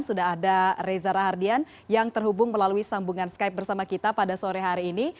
sudah ada reza rahardian yang terhubung melalui sambungan skype bersama kita pada sore hari ini